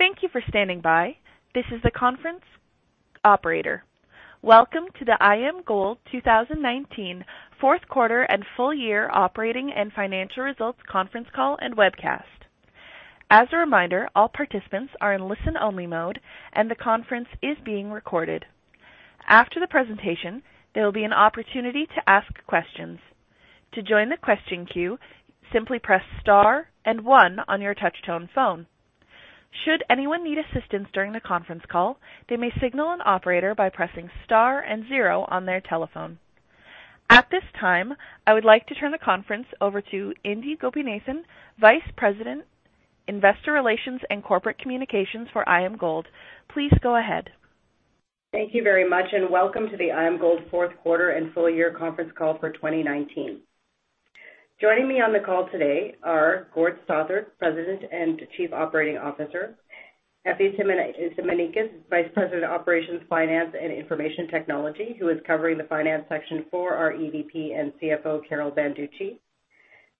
Thank you for standing by. This is the conference operator. Welcome to the IAMGOLD 2019 fourth quarter and full year operating and financial results conference call and webcast. As a reminder, all participants are in listen only mode, and the conference is being recorded. After the presentation, there will be an opportunity to ask questions. To join the question queue, simply press star and one on your touch-tone phone. Should anyone need assistance during the conference call, they may signal an operator by pressing star and zero on their telephone. At this time, I would like to turn the conference over to Indi Gopinathan, Vice President, Investor Relations and Corporate Communications for IAMGOLD. Please go ahead. Thank you very much. Welcome to the IAMGOLD fourth quarter and full-year conference call for 2019. Joining me on the call today are Gord Stothart, President and Chief Operating Officer, Effie Simanikas, Vice President, Operations, Finance, and Information Technology, who is covering the finance section for our EVP and CFO, Carol Banducci,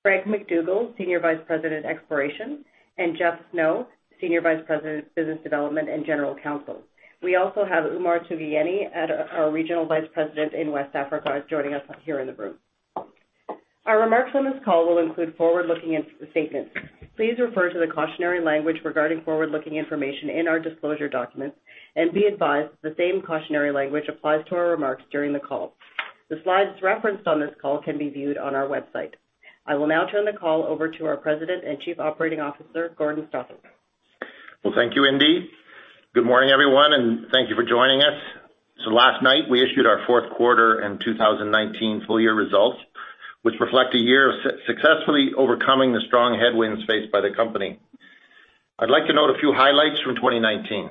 Craig MacDougall, Senior Vice President, Exploration, and Jeff Snow, Senior Vice President, Business Development and General Counsel. We also have Oumar Toguyeni, our Regional Vice President in West Africa, joining us here in the room. Our remarks on this call will include forward-looking statements. Please refer to the cautionary language regarding forward-looking information in our disclosure documents, and be advised that the same cautionary language applies to our remarks during the call. The slides referenced on this call can be viewed on our website. I will now turn the call over to our President and Chief Operating Officer, Gord Stothart. Well, thank you, Indi. Good morning, everyone, and thank you for joining us. Last night, we issued our fourth quarter and 2019 full-year results, which reflect a year of successfully overcoming the strong headwinds faced by the company. I'd like to note a few highlights from 2019.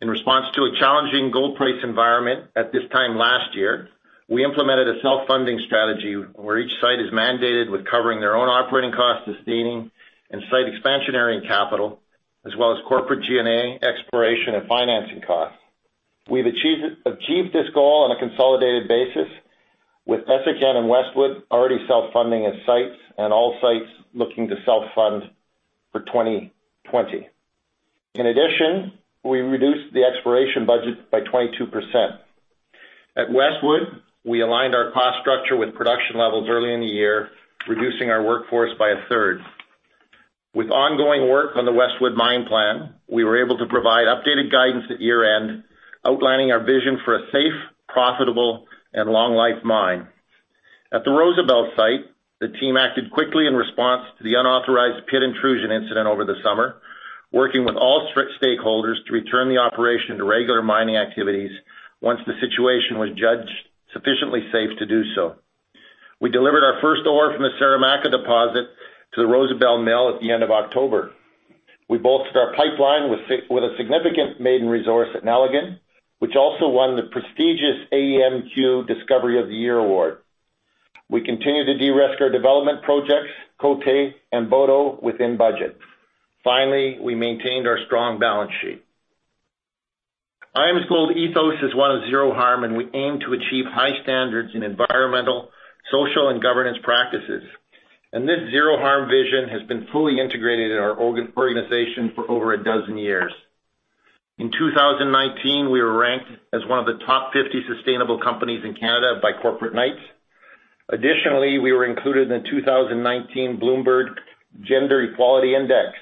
In response to a challenging gold price environment at this time last year, we implemented a self-funding strategy where each site is mandated with covering their own operating costs, sustaining, and site expansionary capital, as well as corporate G&A, exploration, and financing costs. We've achieved this goal on a consolidated basis with Essakane and Westwood already self-funding at sites, and all sites looking to self-fund for 2020. In addition, we reduced the exploration budget by 22%. At Westwood, we aligned our cost structure with production levels early in the year, reducing our workforce by a third. With ongoing work on the Westwood Mine plan, we were able to provide updated guidance at year-end, outlining our vision for a safe, profitable, and long life mine. At the Rosebel site, the team acted quickly in response to the unauthorized pit intrusion incident over the summer, working with all stakeholders to return the operation to regular mining activities once the situation was judged sufficiently safe to do so. We delivered our first ore from the Saramacca deposit to the Rosebel mill at the end of October. We bolstered our pipeline with a significant maiden resource at Nelligan, which also won the prestigious AEMQ Discovery of the Year Award. We continued to de-risk our development projects, Côté and Boto, within budget. Finally, we maintained our strong balance sheet. IAMGOLD ethos is one of zero harm, and we aim to achieve high standards in environmental, social, and governance practices. This zero harm vision has been fully integrated in our organization for over a dozen years. In 2019, we were ranked as one of the top 50 sustainable companies in Canada by Corporate Knights. Additionally, we were included in the 2019 Bloomberg Gender-Equality Index.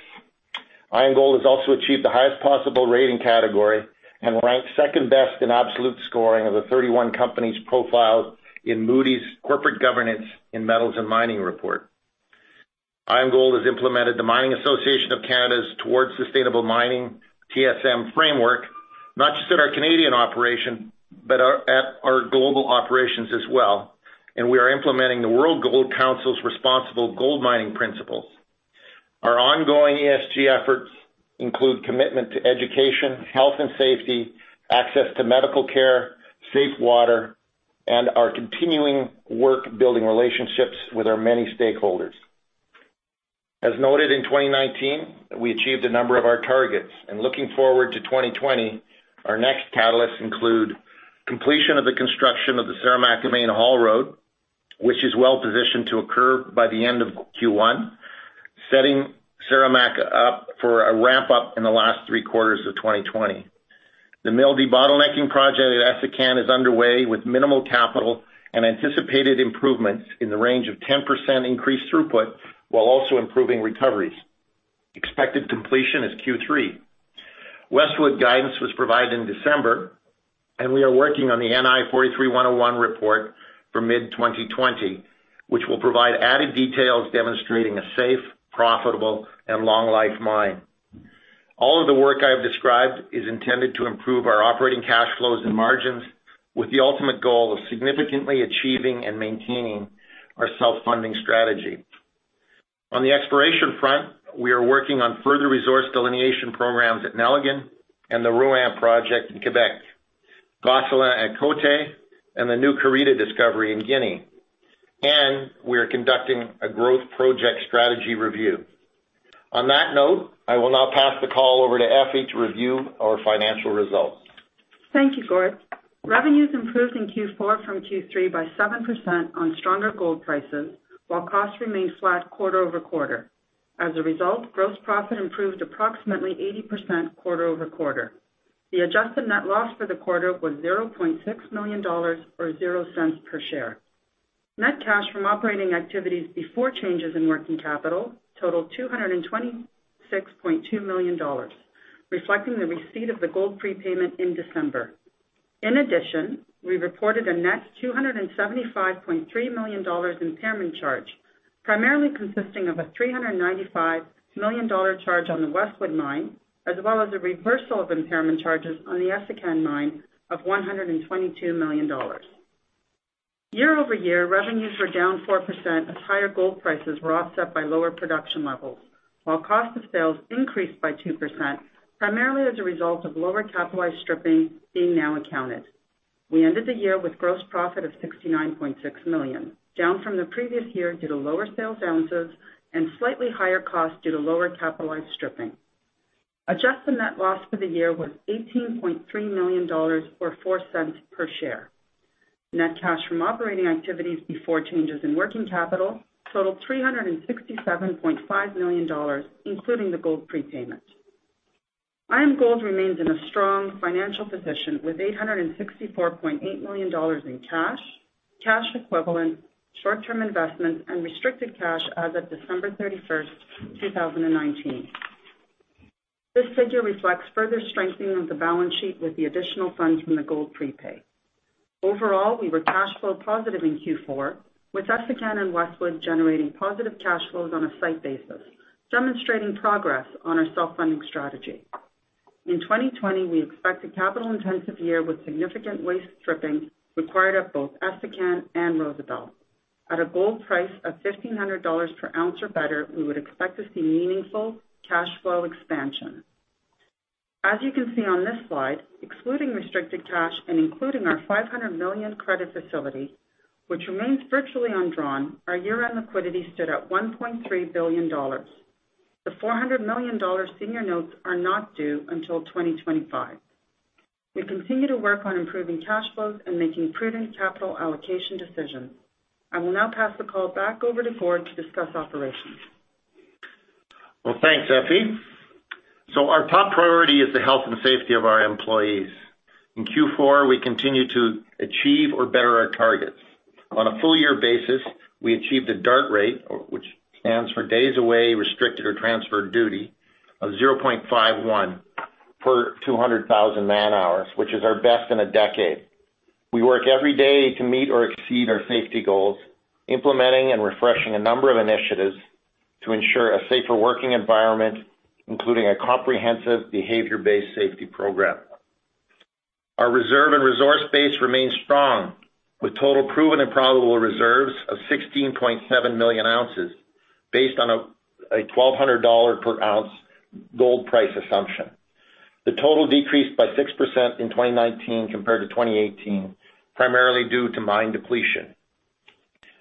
IAMGOLD has also achieved the highest possible rating category and ranked second best in absolute scoring of the 31 companies profiled in Moody's Corporate Governance in Metals and Mining Report. IAMGOLD has implemented the Mining Association of Canada's Towards Sustainable Mining, TSM framework, not just at our Canadian operation, but at our global operations as well. We are implementing the World Gold Council's responsible gold mining principles. Our ongoing ESG efforts include commitment to education, health and safety, access to medical care, safe water, and our continuing work building relationships with our many stakeholders. As noted in 2019, we achieved a number of our targets. Looking forward to 2020, our next catalysts include completion of the construction of the Saramacca main haul road, which is well positioned to occur by the end of Q1, setting Saramacca up for a ramp-up in the last three quarters of 2020. The mill debottlenecking project at Essakane is underway with minimal capital and anticipated improvements in the range of 10% increased throughput while also improving recoveries. Expected completion is Q3. Westwood guidance was provided in December. We are working on the NI 43-101 report for mid-2020, which will provide added details demonstrating a safe, profitable, and long life mine. All of the work I have described is intended to improve our operating cash flows and margins, with the ultimate goal of significantly achieving and maintaining our self-funding strategy. On the exploration front, we are working on further resource delineation programs at Nelligan and the Rouyn project in Quebec, Gosselin and Côté, and the new Karita discovery in Guinea, and we are conducting a growth project strategy review. On that note, I will now pass the call over to Effie to review our financial results. Thank you, Gord. Revenues improved in Q4 from Q3 by 7% on stronger gold prices, while costs remained flat quarter-over-quarter. As a result, gross profit improved approximately 80% quarter-over-quarter. The adjusted net loss for the quarter was $0.6 million, or $0.00 per share. Net cash from operating activities before changes in working capital totaled $226.2 million, reflecting the receipt of the gold prepayment in December. In addition, we reported a net $275.3 million impairment charge, primarily consisting of a $395 million charge on the Westwood mine, as well as a reversal of impairment charges on the Essakane mine of $122 million. Year-over-year, revenues were down 4% as higher gold prices were offset by lower production levels, while cost of sales increased by 2%, primarily as a result of lower capitalized stripping being now accounted. We ended the year with gross profit of $69.6 million, down from the previous year due to lower sales ounces and slightly higher costs due to lower capitalized stripping. Adjusted net loss for the year was $18.3 million, or $0.04 per share. Net cash from operating activities before changes in working capital totaled $367.5 million, including the gold prepayment. IAMGOLD remains in a strong financial position with $864.8 million in cash equivalent, short-term investments, and restricted cash as of December 31st, 2019. This figure reflects further strengthening of the balance sheet with the additional funds from the gold prepay. Overall, we were cash flow positive in Q4, with Essakane and Westwood generating positive cash flows on a site basis, demonstrating progress on our self-funding strategy. In 2020, we expect a capital-intensive year with significant waste stripping required at both Essakane and Rosebel. At a gold price of $1,500/oz Or better, we would expect to see meaningful cash flow expansion. As you can see on this slide, excluding restricted cash and including our $500 million credit facility, which remains virtually undrawn, our year-end liquidity stood at $1.3 billion. The $400 million senior notes are not due until 2025. We continue to work on improving cash flows and making prudent capital allocation decisions. I will now pass the call back over to Gord to discuss operations. Well, thanks, Effie. Our top priority is the health and safety of our employees. In Q4, we continued to achieve or better our targets. On a full year basis, we achieved a DART rate, which stands for Days Away Restricted or Transferred Duty, of 0.51 per 200,000 man-hours, which is our best in a decade. We work every day to meet or exceed our safety goals, implementing and refreshing a number of initiatives to ensure a safer working environment, including a comprehensive behavior-based safety program. Our reserve and resource base remains strong with total proven and probable reserves of 16.7 million oz based on a $1,200/oz gold price assumption. The total decreased by 6% in 2019 compared to 2018, primarily due to mine depletion.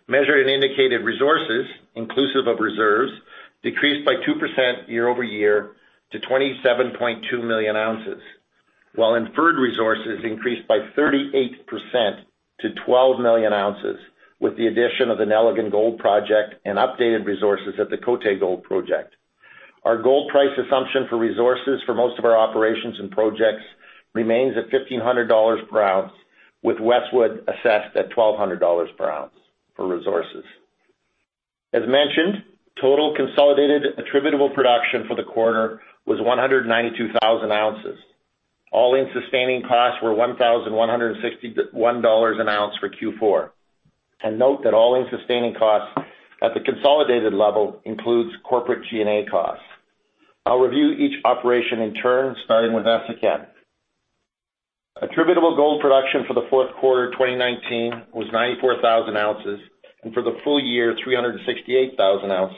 Measured and indicated resources, inclusive of reserves, decreased by 2% year-over-year to 27.2 million oz, while inferred resources increased by 38% to 12 million oz, with the addition of the Nelligan Gold Project and updated resources at the Côté gold project. Our gold price assumption for resources for most of our operations and projects remains at $1,500/oz, with Westwood assessed at $1,200/oz for resources. As mentioned, total consolidated attributable production for the quarter was 192,000 oz. All-in sustaining costs were $1,161/oz for Q4. Note that All-in sustaining costs at the consolidated level includes corporate G&A costs. I'll review each operation in turn, starting with Essakane. Attributable gold production for the fourth quarter 2019 was 94,000 oz, and for the full year, 368,000 oz.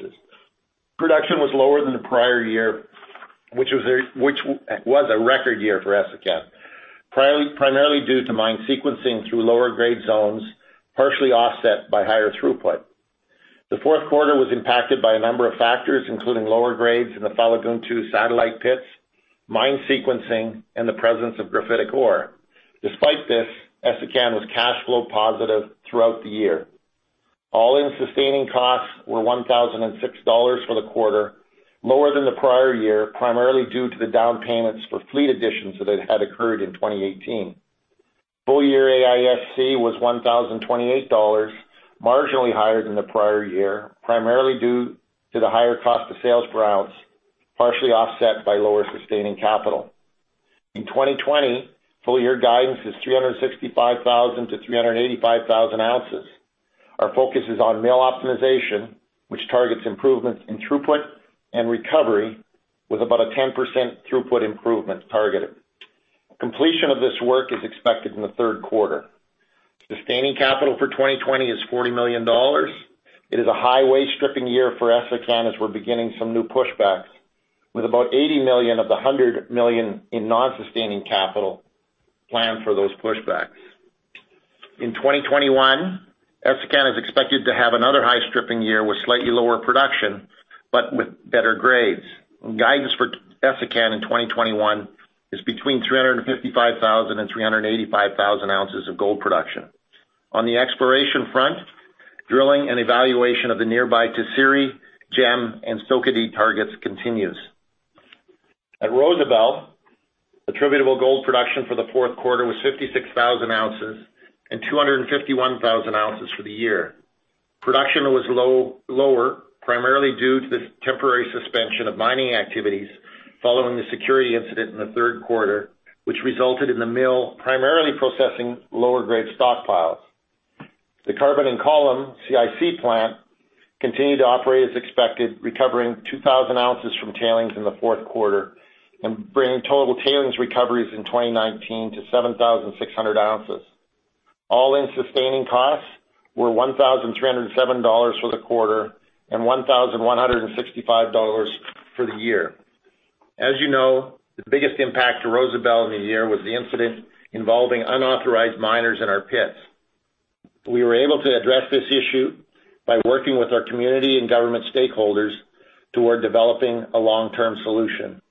Production was lower than the prior year, which was a record year for Essakane, primarily due to mine sequencing through lower grade zones, partially offset by higher throughput. The fourth quarter was impacted by a number of factors, including lower grades in the Falagountou satellite pits, mine sequencing, and the presence of graphitic ore. Despite this, Essakane was cash flow positive throughout the year. All-in sustaining costs were $1,006 for the quarter, lower than the prior year, primarily due to the down payments for fleet additions that had occurred in 2018. Full year AISC was $1,028, marginally higher than the prior year, primarily due to the higher cost of sales per ounce, partially offset by lower sustaining capital. In 2020, full year guidance is 365,000 oz-385,000 oz. Our focus is on mill optimization, which targets improvements in throughput and recovery with about a 10% throughput improvement targeted. Completion of this work is expected in the third quarter. Sustaining capital for 2020 is $40 million. It is a high waste stripping year for Essakane as we're beginning some new pushbacks, with about $80 million of the $100 million in non-sustaining capital planned for those pushbacks. In 2021, Essakane is expected to have another high stripping year with slightly lower production, but with better grades. Guidance for Essakane in 2021 is between 355,000 oz and 385,000 oz of gold production. On the exploration front, drilling and evaluation of the nearby Tisiri, Djémé, and Sokode targets continues. At Rosebel, attributable gold production for the fourth quarter was 56,000 oz, and 251,000 oz for the year. Production was lower, primarily due to the temporary suspension of mining activities following the security incident in the third quarter, which resulted in the mill primarily processing lower grade stockpiles. The carbon and column, CIL plant, continued to operate as expected, recovering 2,000 oz from tailings in the fourth quarter, and bringing total tailings recoveries in 2019 to 7,600 oz. All-in-sustaining costs were $1,307 for the quarter and $1,165 for the year. As you know, the biggest impact to Rosebel in the year was the incident involving unauthorized miners in our pits. We were able to address this issue by working with our community and government stakeholders toward developing a long-term solution.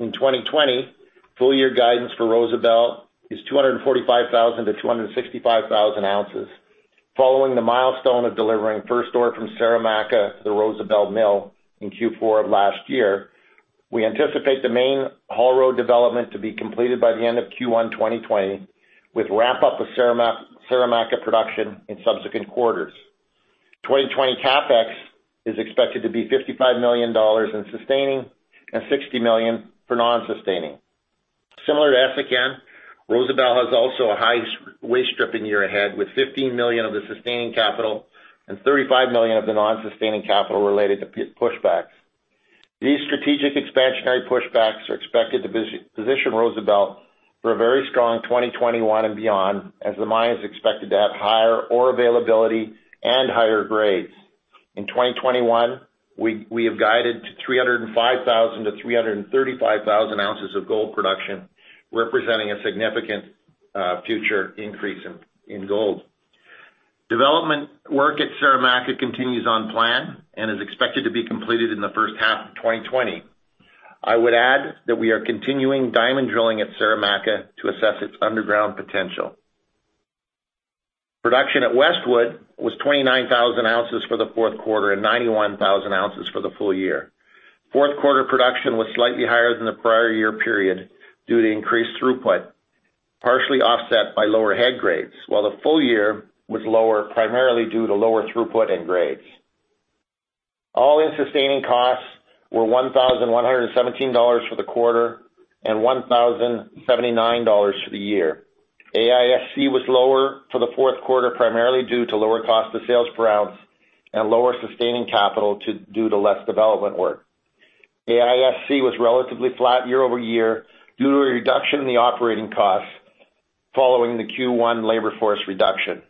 In 2020, full year guidance for Rosebel is 245,000 oz-265,000 oz. Following the milestone of delivering first ore from Saramacca to the Rosebel mill in Q4 of last year. We anticipate the main haul road development to be completed by the end of Q1 2020, with ramp up of Saramacca production in subsequent quarters. 2020 CapEx is expected to be $55 million in sustaining and $60 million for non-sustaining. Similar to Essakane, Rosebel has also a high waste stripping year ahead, with $15 million of the sustaining capital and $35 million of the non-sustaining capital related to pit pushbacks. These strategic expansionary pushbacks are expected to position Rosebel for a very strong 2021 and beyond, as the mine is expected to have higher ore availability and higher grades. In 2021, we have guided to 305,000 oz-335,000 oz of gold production, representing a significant future increase in gold. Development work at Saramacca continues on plan and is expected to be completed in the first half of 2020. I would add that we are continuing diamond drilling at Saramacca to assess its underground potential. Production at Westwood was 29,000 oz for the fourth quarter, and 91,000 oz for the full year. Fourth quarter production was slightly higher than the prior year period due to increased throughput, partially offset by lower head grades, while the full year was lower, primarily due to lower throughput and grades. All-in sustaining costs were $1,117 for the quarter and $1,079 for the year. AISC was lower for the fourth quarter, primarily due to lower cost of sales per ounce and lower sustaining capital due to less development work. AISC was relatively flat year-over-year due to a reduction in the operating costs following the Q1 labor force reduction.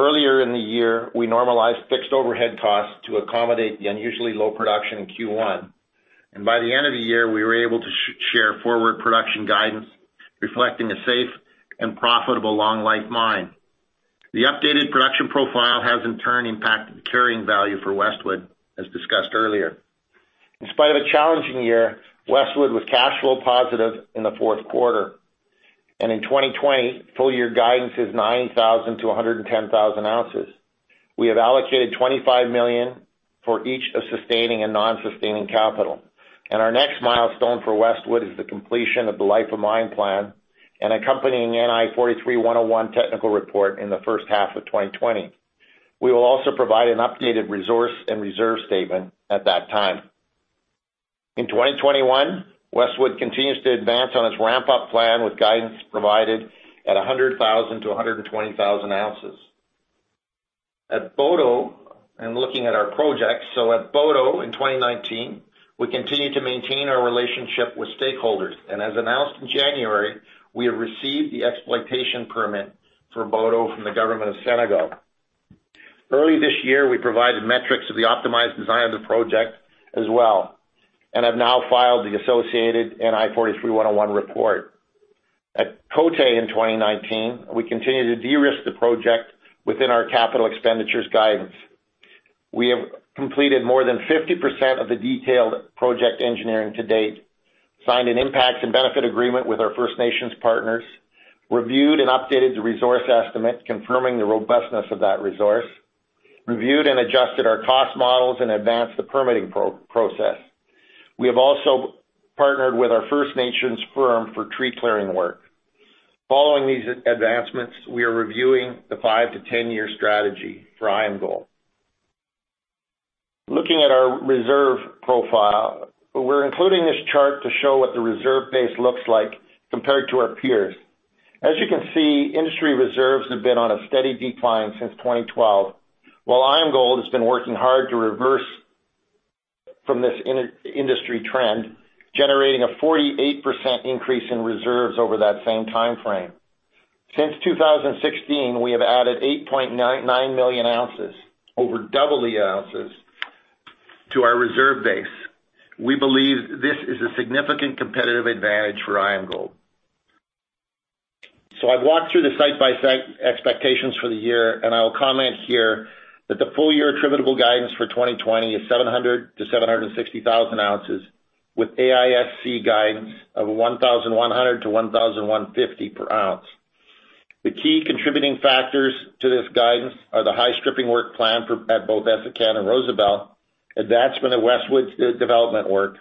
Earlier in the year, we normalized fixed overhead costs to accommodate the unusually low production in Q1. By the end of the year, we were able to share forward production guidance reflecting a safe and profitable long-life mine. The updated production profile has in turn impacted the carrying value for Westwood, as discussed earlier. In spite of a challenging year, Westwood was cash flow positive in the fourth quarter. In 2020, full year guidance is 90,000 oz-110,000 oz. We have allocated $25 million for each of sustaining and non-sustaining capital. Our next milestone for Westwood is the completion of the life of mine plan and accompanying National Instrument 43-101 technical report in the first half of 2020. We will also provide an updated resource and reserve statement at that time. In 2021, Westwood continues to advance on its ramp-up plan with guidance provided at 100,000 oz-120,000 oz. At Boto, looking at our projects. At Boto in 2019, we continued to maintain our relationship with stakeholders. As announced in January, we have received the exploitation permit for Boto from the government of Senegal. Early this year, we provided metrics of the optimized design of the project as well, and have now filed the associated NI 43-101 report. At Côté in 2019, we continued to de-risk the project within our capital expenditures guidance. We have completed more than 50% of the detailed project engineering to date, signed an impact and benefit agreement with our First Nations partners, reviewed and updated the resource estimate confirming the robustness of that resource, reviewed and adjusted our cost models, and advanced the permitting process. We have also partnered with our First Nations firm for tree clearing work. Following these advancements, we are reviewing the five to 10-year strategy for IAMGOLD. Looking at our reserve profile, we're including this chart to show what the reserve base looks like compared to our peers. As you can see, industry reserves have been on a steady decline since 2012, while IAMGOLD has been working hard to reverse from this industry trend, generating a 48% increase in reserves over that same time frame. Since 2016, we have added 8.99 million oz, over double the ounces to our reserve base. We believe this is a significant competitive advantage for IAMGOLD. I've walked through the site-by-site expectations for the year, and I will comment here that the full year attributable guidance for 2020 is 700,000 oz-760,000 oz with AISC guidance of $1,100/oz-$1,150/oz. The key contributing factors to this guidance are the high stripping work plan at both Essakane and Rosebel, advancement of Westwood's development work,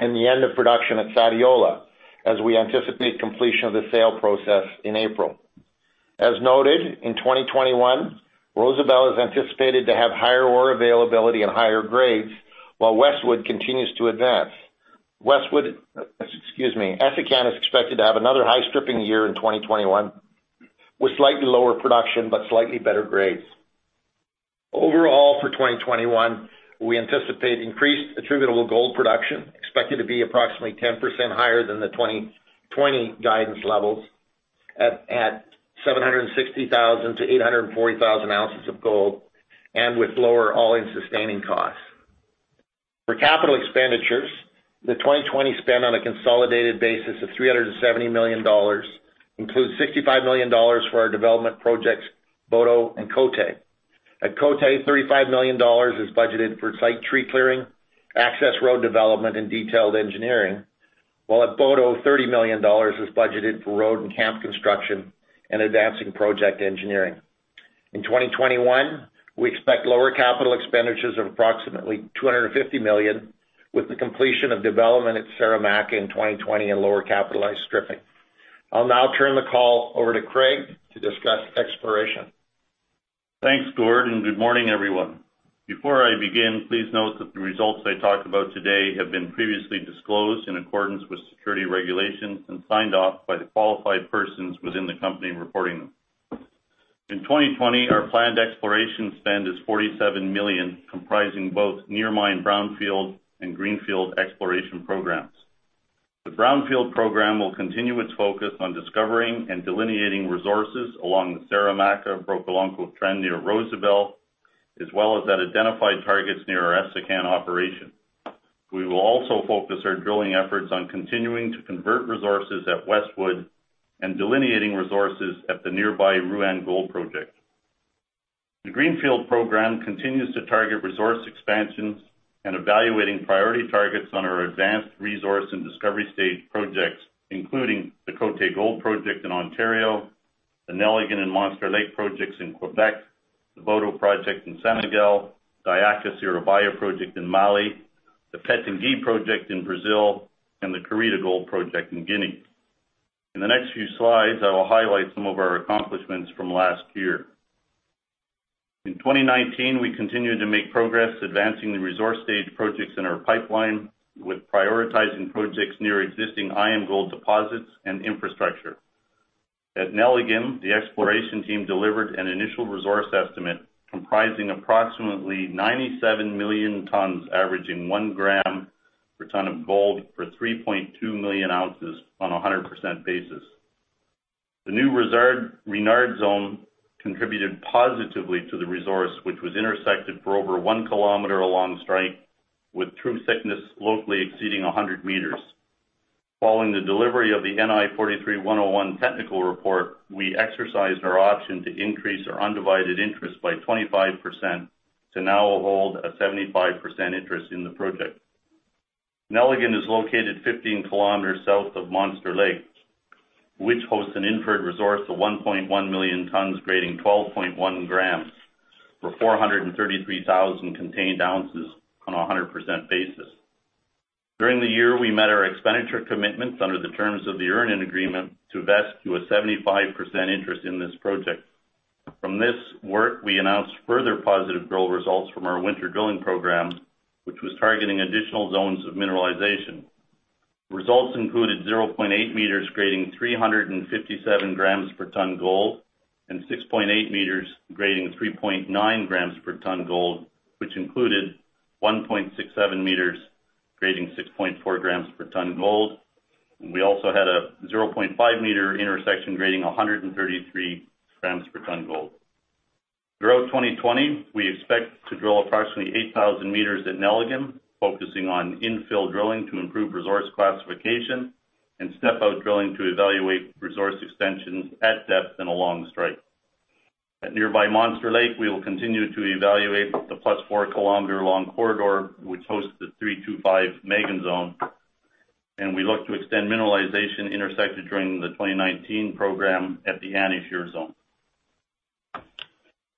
and the end of production at Sadiola, as we anticipate completion of the sale process in April. As noted, in 2021, Rosebel is anticipated to have higher ore availability and higher grades, while Westwood continues to advance. Westwood. Essakane is expected to have another high stripping year in 2021, with slightly lower production but slightly better grades. Overall, for 2021, we anticipate increased attributable gold production, expected to be approximately 10% higher than the 2020 guidance levels at 760,000 oz-840,000 oz of gold, and with lower all-in sustaining costs. For capital expenditures, the 2020 spend on a consolidated basis of $370 million includes $65 million for our development projects Boto and Côté. At Côté, $35 million is budgeted for site tree clearing, access road development, and detailed engineering. While at Boto, $30 million is budgeted for road and camp construction and advancing project engineering. In 2021, we expect lower capital expenditures of approximately $250 million with the completion of development at Saramacca in 2020 and lower capitalized stripping. I'll now turn the call over to Craig to discuss exploration. Thanks, Gord. Good morning, everyone. Before I begin, please note that the results I talk about today have been previously disclosed in accordance with security regulations and signed off by the qualified persons within the company reporting them. In 2020, our planned exploration spend is $47 million, comprising both near mine brownfield and greenfield exploration programs. The brownfield program will continue its focus on discovering and delineating resources along the Saramacca-Brokolonko trend near Rosebel, as well as at identified targets near our Essakane operation. We will also focus our drilling efforts on continuing to convert resources at Westwood and delineating resources at the nearby Rouyn Gold Project. The Greenfield program continues to target resource expansions and evaluating priority targets on our advanced resource and discovery stage projects, including the Côté Gold Project in Ontario, the Nelligan and Monster Lake project in Quebec, the Boto project in Senegal, Diakha-Siribaya project in Mali, the Pitangui project in Brazil, and the Karita Gold Project in Guinea. In the next few slides, I will highlight some of our accomplishments from last year. In 2019, we continued to make progress advancing the resource stage projects in our pipeline with prioritizing projects near existing IAMGOLD deposits and infrastructure. At Nelligan, the exploration team delivered an initial resource estimate comprising approximately 97 million tonnes, averaging 1 g/tonne of gold for 3.2 million oz on 100% basis. The new Renard zone contributed positively to the resource, which was intersected for over 1 km along strike, with true thickness locally exceeding 100 m. Following the delivery of the National Instrument 43-101 technical report, we exercised our option to increase our undivided interest by 25% to now hold a 75% interest in the project. Néligan is located 15 km south of Monster Lake, which hosts an inferred resource of 1.1 million tonnes grading 12.1 g for 433,000 contained oz on 100% basis. During the year, we met our expenditure commitments under the terms of the earn-in agreement to vest to a 75% interest in this project. From this work, we announced further positive drill results from our winter drilling program, which was targeting additional zones of mineralization. Results included 0.8 m grading 357 g/tonne gold and 6.8 m grading 3.9 g/tonne gold, which included 1.67 m grading 6.4 g/tonne gold. We also had a 0.5 m intersection grading 133 g/ton gold. Throughout 2020, we expect to drill approximately 8,000 m at Nelligan, focusing on infill drilling to improve resource classification and step-out drilling to evaluate resource extensions at depth and along strike. At nearby Monster Lake, we will continue to evaluate the +4 km-long corridor, which hosts the 325-Megane Zone. We look to extend mineralization intersected during the 2019 program at the Anisfire zone.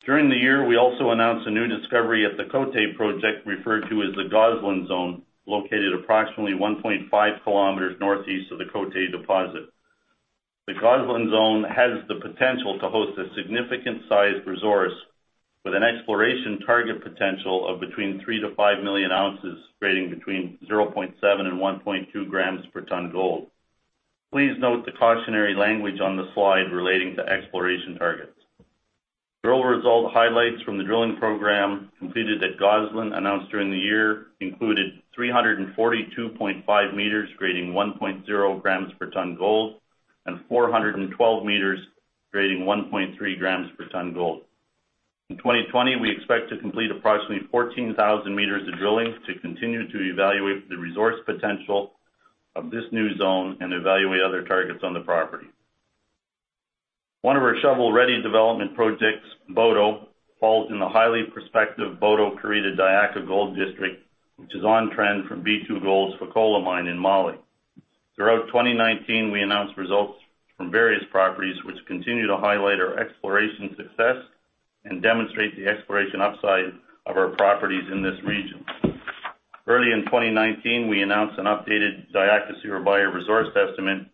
During the year, we also announced a new discovery at the Côté project referred to as the Gosselin zone, located approximately 1.5 km northeast of the Côté deposit. The Gosselin zone has the potential to host a significant sized resource with an exploration target potential of between 3 million oz-5 million oz, grading between 0.7 g/tonne and 1.2 g/tonne gold. Please note the cautionary language on the slide relating to exploration targets. Drill result highlights from the drilling program completed at Gosselin announced during the year included 342.5 m grading 1.0 g/tonne gold. And 412 m grading 1.3 g/tonne gold. In 2020, we expect to complete approximately 14,000 m of drilling to continue to evaluate the resource potential of this new zone and evaluate other targets on the property. One of our shovel-ready development projects, Boto, falls in the highly prospective Boto-Karita-Diakha Gold District, which is on trend from B2Gold's Fekola mine in Mali. Throughout 2019, we announced results from various properties, which continue to highlight our exploration success and demonstrate the exploration upside of our properties in this region. Early in 2019, we announced an updated Diakha-Siribaya resource estimate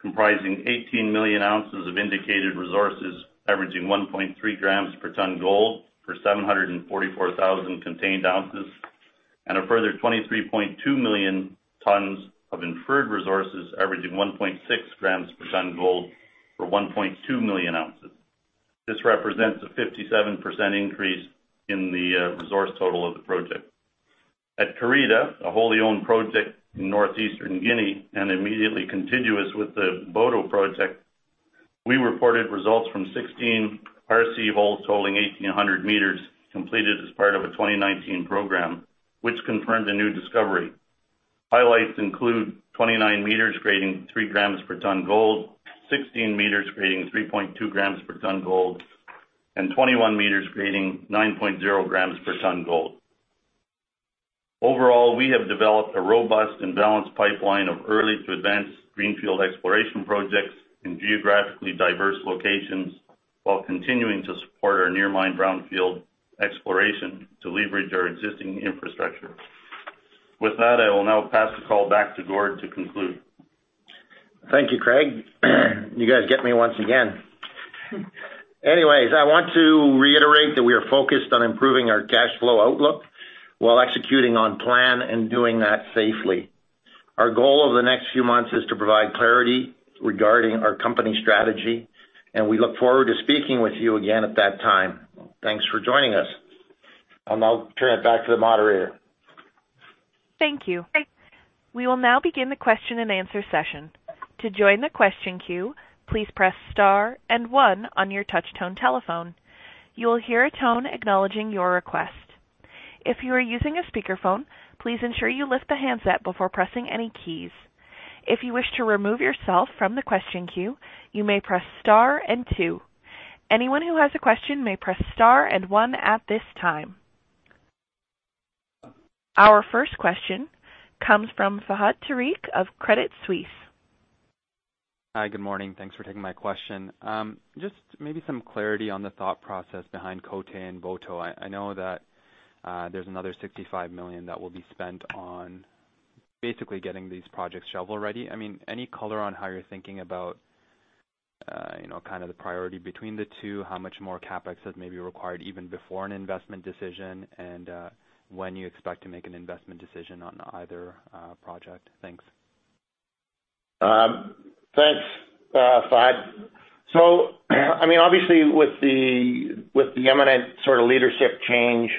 comprising 18 million tonnes of indicated resources, averaging 1.3 g/ tonne gold for 744,000 contained oz, and a further 23.2 million tonnes of inferred resources, averaging 1.6 g/tonne gold for 1.2 million oz. This represents a 57% increase in the resource total of the project. At Karita, a wholly-owned project in North Eastern Guinea and immediately contiguous with the Boto project, we reported results from 16 RC holes totaling 1,800 m completed as part of a 2019 program, which confirmed a new discovery. Highlights include 29 m grading 3 g/tonne gold, 16 m grading 3.2 g/tonne gold, and 21 m grading 9.0 g/tonne gold. Overall, we have developed a robust and balanced pipeline of early to advanced greenfield exploration projects in geographically diverse locations while continuing to support our near mine brownfield exploration to leverage our existing infrastructure. With that, I will now pass the call back to Gord to conclude. Thank you, Craig. You guys get me once again. I want to reiterate that we are focused on improving our cash flow outlook while executing on plan and doing that safely. Our goal over the next few months is to provide clarity regarding our company strategy, and we look forward to speaking with you again at that time. Thanks for joining us. I'll now turn it back to the moderator. Thank you. We will now begin the question-and-answer session. To join the question queue, please press star and one on your touch tone telephone. You will hear a tone acknowledging your request. If you are using a speakerphone, please ensure you lift the handset before pressing any keys. If you wish to remove yourself from the question queue, you may press star and two. Anyone who has a question may press star and one at this time. Our first question comes from Fahad Tariq of Credit Suisse. Hi. Good morning. Thanks for taking my question. Maybe some clarity on the thought process behind Côté and Boto. I know that there's another $65 million that will be spent on basically getting these projects shovel-ready. Any color on how you're thinking about the priority between the two, how much more CapEx is maybe required even before an investment decision, and when you expect to make an investment decision on either project? Thanks. Thanks, Fahad. Obviously with the eminent leadership change,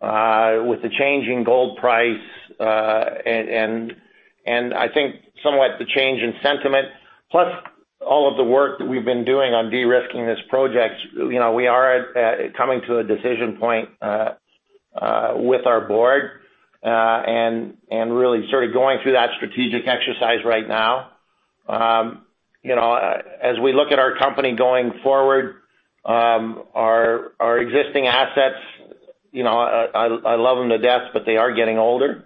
with the change in gold price, I think somewhat the change in sentiment, plus all of the work that we've been doing on de-risking this project, we are coming to a decision point with our board, and really going through that strategic exercise right now. As we look at our company going forward, our existing assets, I love them to death, but they are getting older.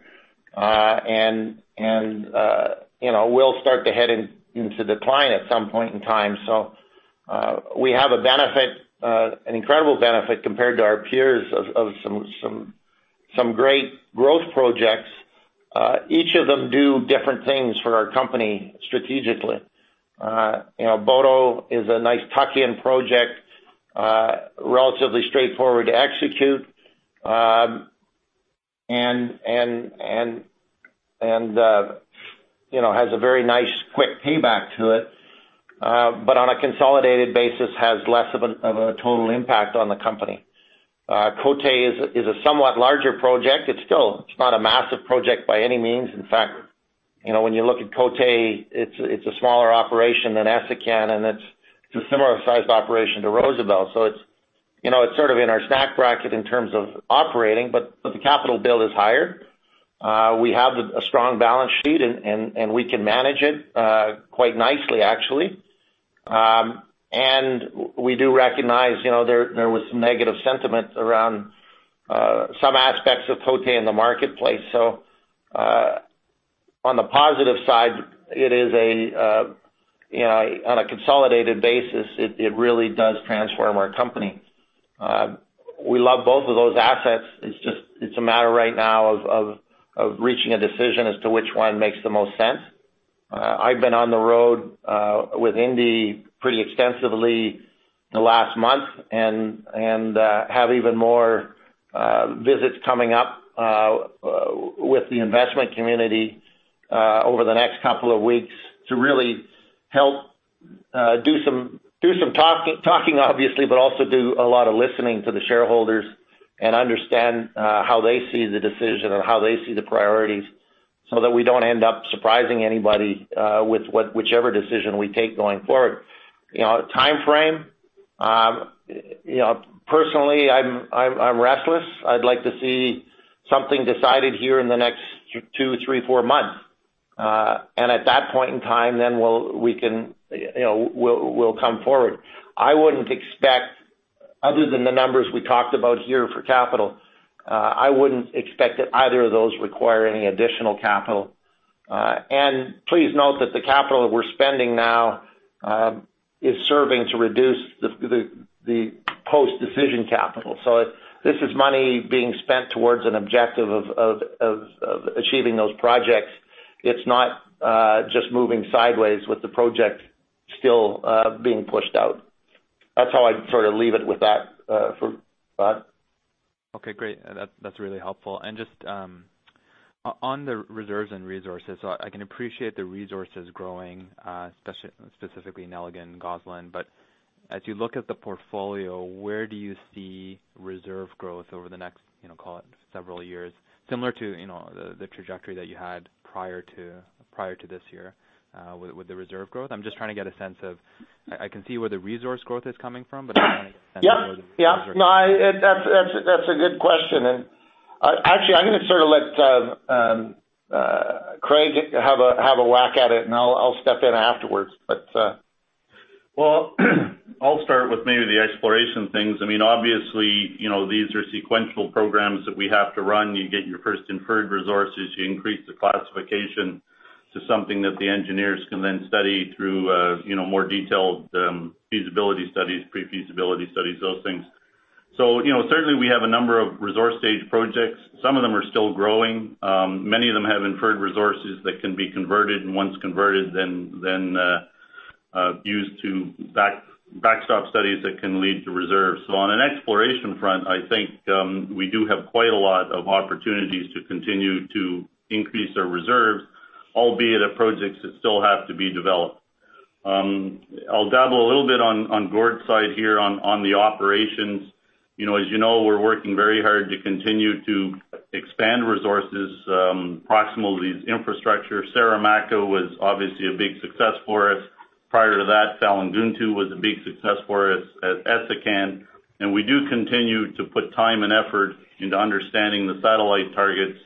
Will start to head into decline at some point in time. We have an incredible benefit compared to our peers of some great growth projects. Each of them do different things for our company strategically. Boto is a nice tuck-in project, relatively straightforward to execute, and has a very nice quick payback to it. On a consolidated basis, has less of a total impact on the company. Côté is a somewhat larger project. It's not a massive project by any means. In fact, when you look at Côté, it's a smaller operation than Essakane, and it's a similar sized operation to Rosebel. It's sort of in our stack bracket in terms of operating, but the capital build is higher. We have a strong balance sheet, and we can manage it quite nicely, actually. We do recognize there was some negative sentiment around some aspects of Côté in the marketplace. On the positive side, on a consolidated basis, it really does transform our company. We love both of those assets. It's a matter right now of reaching a decision as to which one makes the most sense. I've been on the road with Indi pretty extensively the last month, and have even more visits coming up with the investment community over the next couple of weeks to really help do some talking, obviously, but also do a lot of listening to the shareholders and understand how they see the decision or how they see the priorities, so that we don't end up surprising anybody with whichever decision we take going forward. Timeframe, personally, I'm restless. I'd like to see something decided here in the next two, three, four months. At that point in time, then we'll come forward. Other than the numbers we talked about here for capital, I wouldn't expect that either of those require any additional capital. Please note that the capital that we're spending now is serving to reduce the post-decision capital. This is money being spent towards an objective of achieving those projects. It's not just moving sideways with the project still being pushed out. That's how I'd leave it with that for Fahad. Okay, great. That's really helpful. Just on the reserves and resources, I can appreciate the resources growing, specifically in Nelligan, Gosselin. As you look at the portfolio, where do you see reserve growth over the next, call it, several years, similar to the trajectory that you had prior to this year with the reserve growth? I'm just trying to get a sense of I can see where the resource growth is coming from, but I'm trying to get a sense of where the reserves are. Yeah. No, that's a good question. Actually, I'm going to let Craig have a whack at it, and I'll step in afterwards. Well, I'll start with maybe the exploration things. Obviously, these are sequential programs that we have to run. You get your first inferred resources, you increase the classification to something that the engineers can then study through more detailed feasibility studies, pre-feasibility studies, those things. Certainly, we have a number of resource stage projects. Some of them are still growing. Many of them have inferred resources that can be converted, and once converted, then used to backstop studies that can lead to reserves. On an exploration front, I think we do have quite a lot of opportunities to continue to increase our reserves, albeit projects that still have to be developed. I'll dabble a little bit on Gord's side here on the operations. As you know, we're working very hard to continue to expand resources proximal to these infrastructures. Saramacca was obviously a big success for us. Prior to that, Salinduntu was a big success for us at Essakane. We do continue to put time and effort into understanding the satellite targets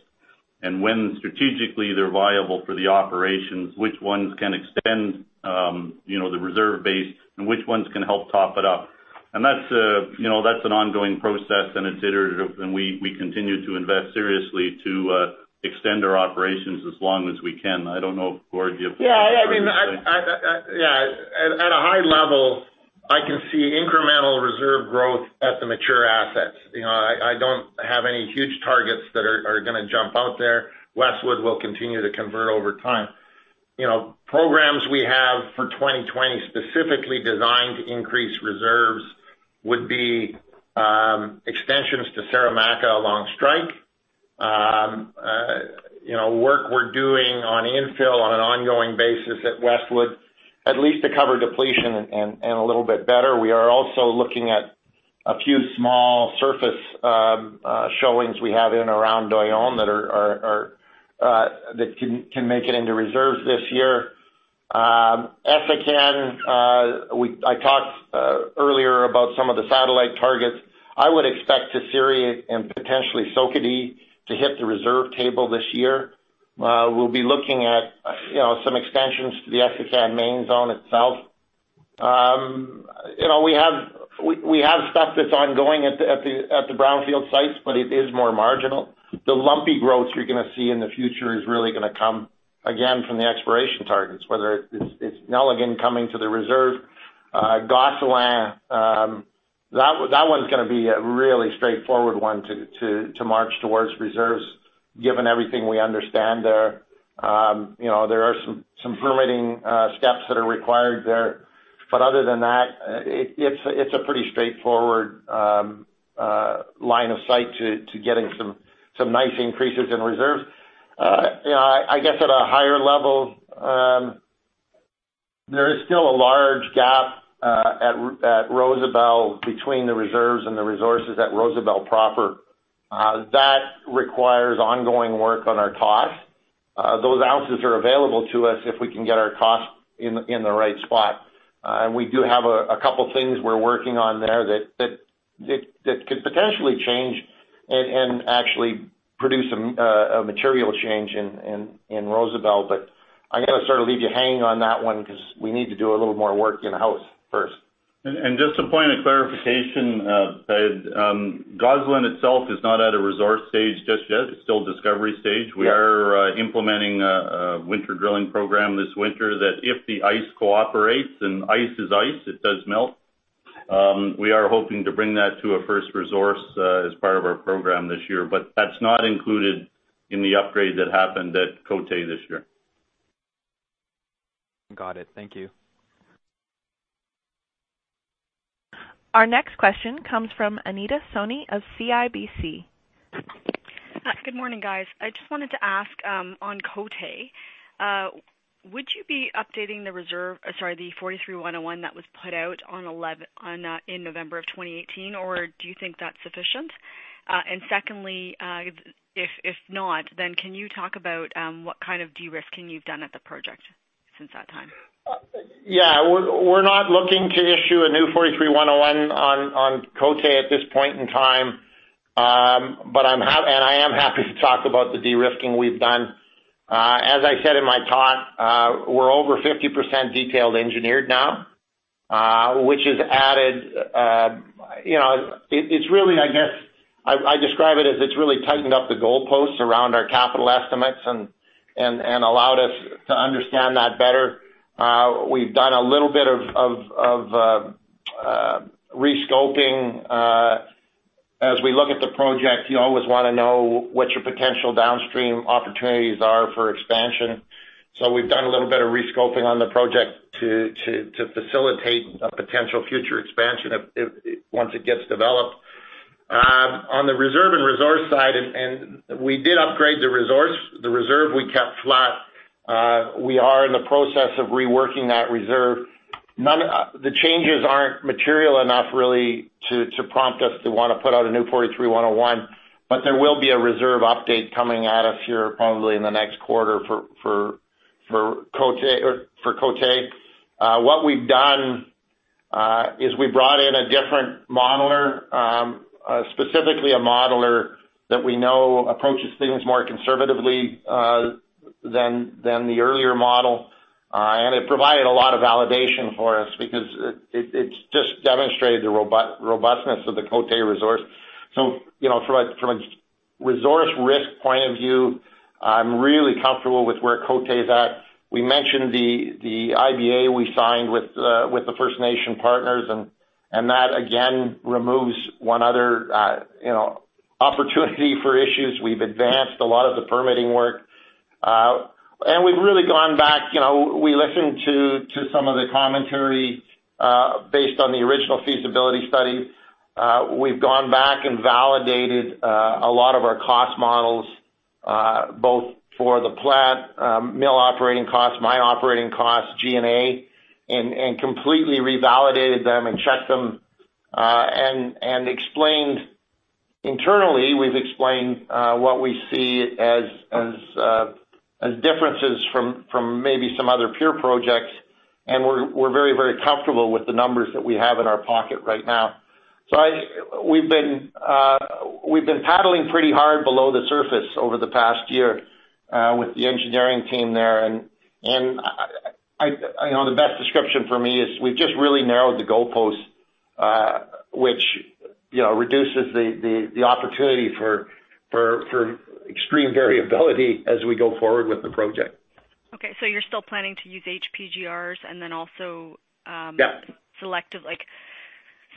and when strategically they're viable for the operations, which ones can extend the reserve base and which ones can help top it up. That's an ongoing process, and it's iterative, and we continue to invest seriously to extend our operations as long as we can. I don't know, Gord, do you have something to say? Yeah. At a high level, I can see incremental reserve growth at the mature assets. I don't have any huge targets that are going to jump out there. Westwood will continue to convert over time. Programs we have for 2020 specifically designed to increase reserves would be extensions to Saramacca along strike. Work we're doing on infill on an ongoing basis at Westwood, at least to cover depletion and a little bit better. We are also looking at a few small surface showings we have in around Doyon that can make it into reserves this year. Essakane, I talked earlier about some of the satellite targets. I would expect Tisiri and potentially Sokode to hit the reserve table this year. We'll be looking at some extensions to the Essakane main zone itself. We have stuff that's ongoing at the brownfield sites, but it is more marginal. The lumpy growth you're going to see in the future is really going to come, again, from the exploration targets, whether it's Nelligan coming to the reserve. Gosselin, that one's going to be a really straightforward one to march towards reserves, given everything we understand there. There are some permitting steps that are required there. Other than that, it's a pretty straightforward line of sight to getting some nice increases in reserves. I guess at a higher level, there is still a large gap at Rosebel between the reserves and the resources at Rosebel proper. That requires ongoing work on our costs. Those ounces are available to us if we can get our costs in the right spot. We do have a couple things we're working on there that could potentially change and actually produce a material change in Rosebel. I'm going to leave you hanging on that one because we need to do a little more work in house first. Just a point of clarification, Fahad. Gosselin itself is not at a resource stage just yet. It's still discovery stage. Yeah. We are implementing a winter drilling program this winter that if the ice cooperates, and ice is ice, it does melt, we are hoping to bring that to a first resource as part of our program this year. That's not included in the upgrade that happened at Côté this year. Got it. Thank you. Our next question comes from Anita Soni of CIBC. Good morning, guys. I just wanted to ask on Côté, would you be updating the reserve, sorry, the 43-101 that was put out in November of 2018 or do you think that's sufficient? Secondly, if not, can you talk about what kind of de-risking you've done at the project since that time? Yeah. We're not looking to issue a new 43-101 on Côté at this point in time. I am happy to talk about the de-risking we've done. As I said in my talk, we're over 50% detailed engineered now, which has added I describe it as it's really tightened up the goalposts around our capital estimates and allowed us to understand that better. We've done a little bit of re-scoping. As we look at the project, you always want to know what your potential downstream opportunities are for expansion. We've done a little bit of re-scoping on the project to facilitate a potential future expansion once it gets developed. On the reserve and resource side, we did upgrade the resource. The reserve, we kept flat. We are in the process of reworking that reserve. The changes aren't material enough, really, to prompt us to want to put out a new 43-101, but there will be a reserve update coming out of here probably in the next quarter for Côté. What we've done is we brought in a different modeler, specifically a modeler that we know approaches things more conservatively than the earlier model. It provided a lot of validation for us because it's just demonstrated the robustness of the Côté resource. From a resource risk point of view, I'm really comfortable with where Côté's at. We mentioned the IBA we signed with the First Nation partners, and that, again, removes one other opportunity for issues. We've advanced a lot of the permitting work. We've really gone back. We listened to some of the commentary based on the original feasibility study. We've gone back and validated a lot of our cost models, both for the plant, mill operating costs, mine operating costs, G&A, and completely revalidated them and checked them. Internally, we've explained what we see as differences from maybe some other peer projects, and we're very comfortable with the numbers that we have in our pocket right now. We've been paddling pretty hard below the surface over the past year with the engineering team there. The best description for me is we've just really narrowed the goalposts, which reduces the opportunity for extreme variability as we go forward with the project. Okay. You're still planning to use HPGRs and then also. Yeah. Selective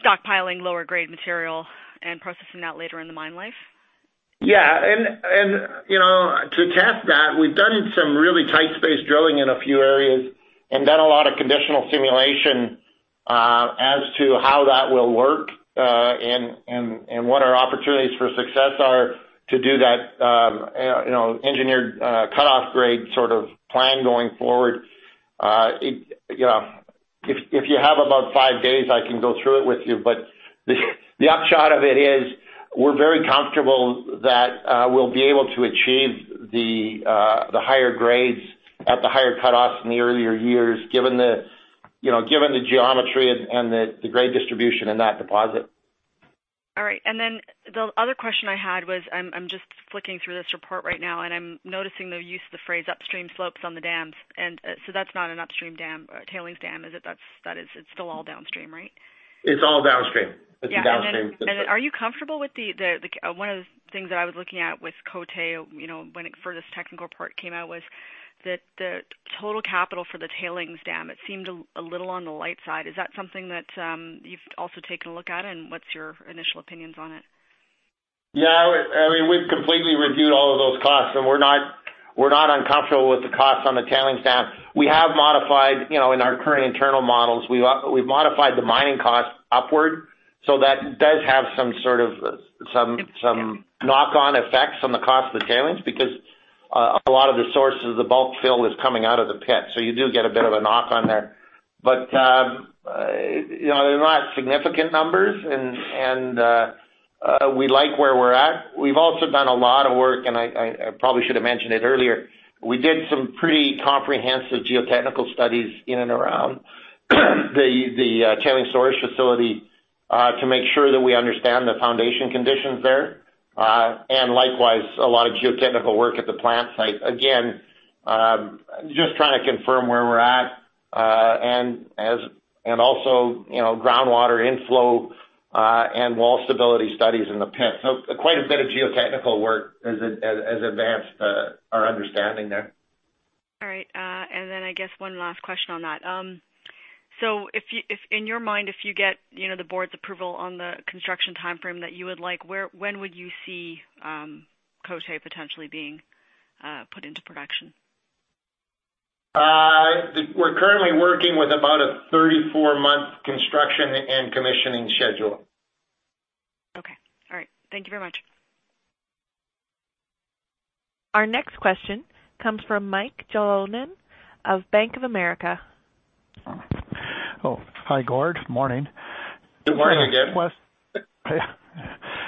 stockpiling lower grade material and processing that later in the mine life? Yeah. To test that, we've done some really tight space drilling in a few areas and done a lot of conditional simulation as to how that will work and what our opportunities for success are to do that engineered cutoff grade plan going forward. If you have about five days, I can go through it with you, but the upshot of it is we're very comfortable that we'll be able to achieve the higher grades at the higher cutoff in the earlier years, given the geometry and the grade distribution in that deposit. All right. The other question I had was, I'm just flicking through this report right now, and I'm noticing the use of the phrase upstream slopes on the dams. That's not an upstream tailings dam, is it? It's still all downstream, right? It's all downstream. Are you comfortable with one of the things that I was looking at with Côté when this technical report came out was that the total capital for the tailings dam, it seemed a little on the light side. Is that something that you've also taken a look at, and what's your initial opinions on it? Yeah. We've completely reviewed all of those costs, and we're not uncomfortable with the costs on the tailings dam. In our current internal models, we've modified the mining costs upward. That does have some sort of knock-on effects on the cost of the tailings, because a lot of the source of the bulk fill is coming out of the pit. You do get a bit of a knock on there. They're not significant numbers, and we like where we're at. We've also done a lot of work, and I probably should have mentioned it earlier. We did some pretty comprehensive geotechnical studies in and around the tailings storage facility to make sure that we understand the foundation conditions there. Likewise, a lot of geotechnical work at the plant site. Again, just trying to confirm where we're at. Also, groundwater inflow and wall stability studies in the pit. Quite a bit of geotechnical work has advanced our understanding there. All right. I guess one last question on that. If in your mind, if you get the board's approval on the construction timeframe that you would like, when would you see Côté potentially being put into production? We're currently working with about a 34-month construction and commissioning schedule. Okay. All right. Thank you very much. Our next question comes from Mike Jalonen of Bank of America. Oh, hi, Gord. Morning. Good morning again.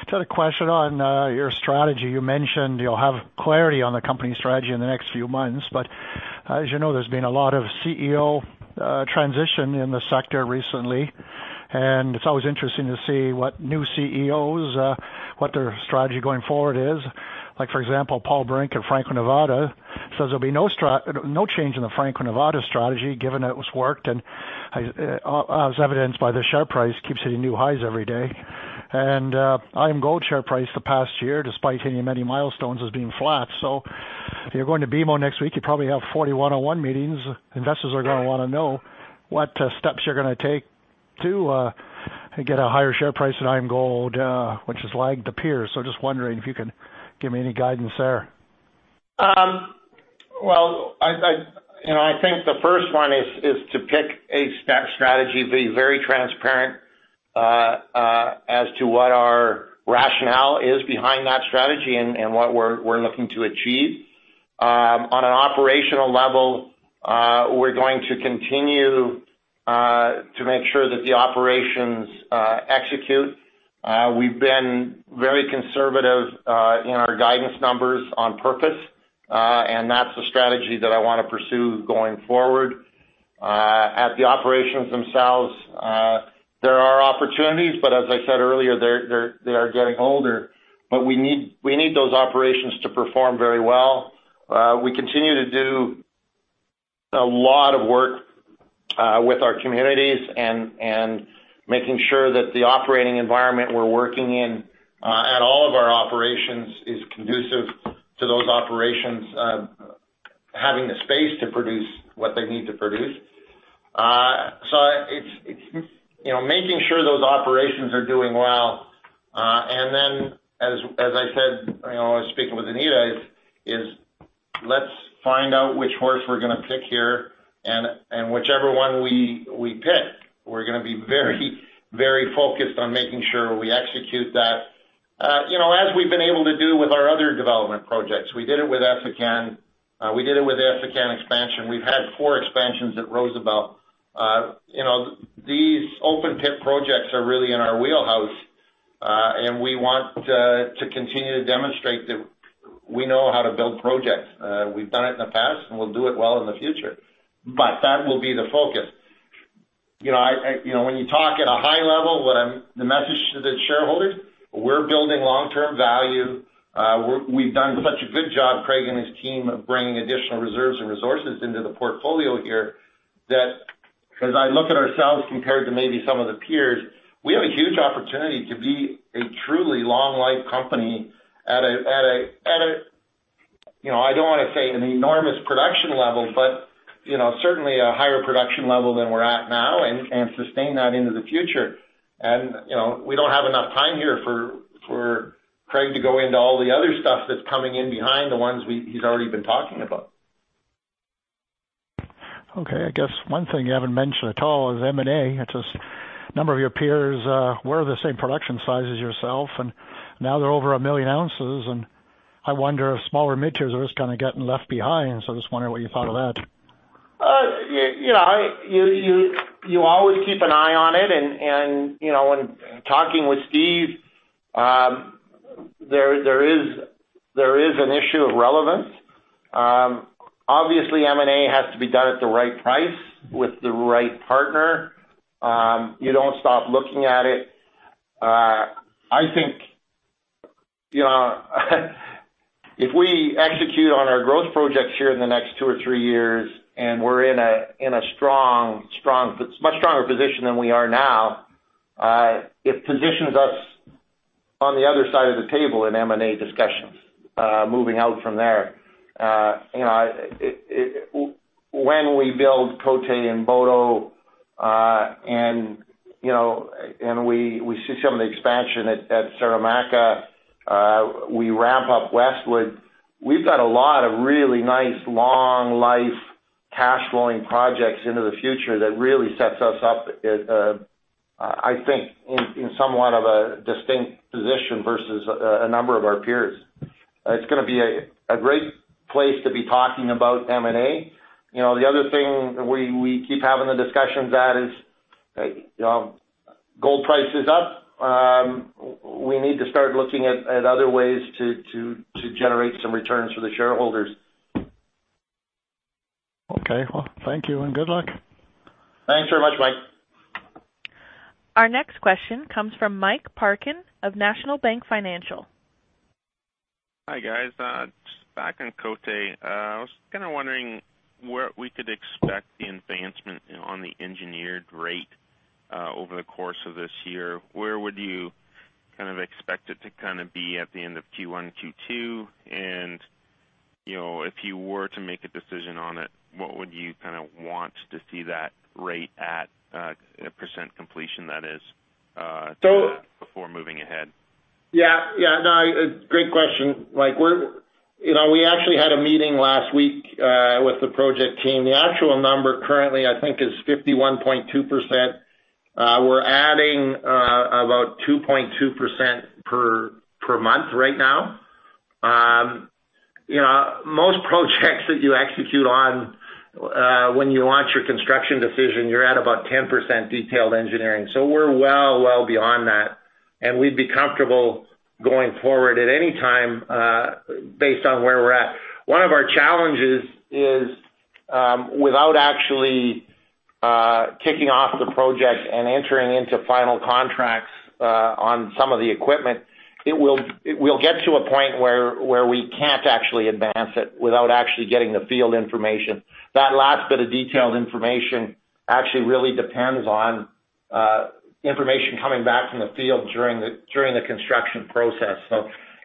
The question on your strategy, you mentioned you'll have clarity on the company strategy in the next few months. As you know, there's been a lot of CEO transition in the sector recently, and it's always interesting to see what new CEOs, what their strategy going forward is. For example, Paul Brink at Franco-Nevada says there'll be no change in the Franco-Nevada strategy given that it's worked, and as evidenced by the share price, keeps hitting new highs every day. IAMGOLD share price the past year, despite hitting many milestones, as being flat. If you're going to BMO next week, you probably have 41 one-on-one meetings. Investors are going to want to know what steps you're going to take to get a higher share price at IAMGOLD, which has lagged the peers. Just wondering if you can give me any guidance there. I think the first one is to pick a strategy, be very transparent as to what our rationale is behind that strategy and what we're looking to achieve. On an operational level, we're going to continue to make sure that the operations execute. We've been very conservative in our guidance numbers on purpose, and that's the strategy that I want to pursue going forward. At the operations themselves, there are opportunities, but as I said earlier, they are getting older. We need those operations to perform very well. We continue to do a lot of work with our communities and making sure that the operating environment we're working in at all of our operations is conducive to those operations having the space to produce what they need to produce. Making sure those operations are doing well. Then, as I said when I was speaking with Anita Soni, is let's find out which horse we're going to pick here, and whichever one we pick, we're going to be very focused on making sure we execute that. As we've been able to do with our other development projects. We did it with Essakane. We did it with Essakane expansion. We've had four expansions at Rosebel. These open pit projects are really in our wheelhouse. We want to continue to demonstrate that we know how to build projects. We've done it in the past, and we'll do it well in the future. That will be the focus. When you talk at a high level, the message to the shareholders, we're building long-term value. We've done such a good job, Craig and his team, of bringing additional reserves and resources into the portfolio here, that as I look at ourselves compared to maybe some of the peers, we have a huge opportunity to be a truly long-life company at a, I don't want to say an enormous production level, but certainly a higher production level than we're at now and sustain that into the future. We don't have enough time here for Craig to go into all the other stuff that's coming in behind the ones he's already been talking about. Okay. I guess one thing you haven't mentioned at all is M&A. A number of your peers were the same production size as yourself. Now they're over 1 million oz. I wonder if smaller mid-tiers are just kind of getting left behind. I just wonder what you thought of that. You always keep an eye on it. When talking with Steve, there is an issue of relevance. Obviously, M&A has to be done at the right price with the right partner. You don't stop looking at it. I think, if we execute on our growth projects here in the next two or three years, and we're in a much stronger position than we are now, it positions us on the other side of the table in M&A discussions, moving out from there. When we build Côté and Boto, and we see some of the expansion at Saramacca, we ramp up Westwood. We've got a lot of really nice long life cash flowing projects into the future that really sets us up, I think, in somewhat of a distinct position versus a number of our peers. It's going to be a great place to be talking about M&A. The other thing we keep having the discussions at is gold price is up. We need to start looking at other ways to generate some returns for the shareholders. Okay. Well, thank you, and good luck. Thanks very much, Mike. Our next question comes from Mike Parkin of National Bank Financial. Hi, guys. Just back on Côté. I was kind of wondering where we could expect the advancement on the engineered rate over the course of this year. Where would you kind of expect it to be at the end of Q1, Q2? If you were to make a decision on it, what would you want to see that rate at, percent completion that is, before moving ahead? Yeah. No, great question, Mike. We actually had a meeting last week with the project team. The actual number currently, I think, is 51.2%. We're adding about 2.2% per month right now. Most projects that you execute on when you launch your construction decision, you're at about 10% detailed engineering. We're well beyond that, and we'd be comfortable going forward at any time based on where we're at. One of our challenges is, without actually kicking off the project and entering into final contracts on some of the equipment, we'll get to a point where we can't actually advance it without actually getting the field information. That last bit of detailed information actually really depends on information coming back from the field during the construction process.